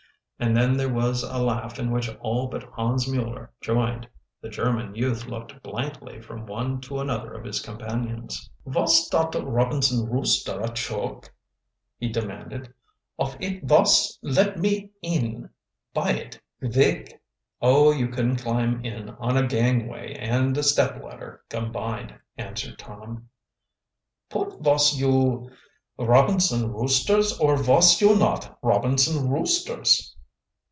And then there was a laugh in which all but Hans Mueller joined. The German youth looked blankly from one to another of his companions. "Vos dot Robinson Rooster a choke?" he demanded. "Of it vos let me in by it kvick." "Oh, you couldn't climb in on a gangway and a step ladder combined," answered Tom. "Put vos you Robinson Roosters or vos you not Robinson Roosters?"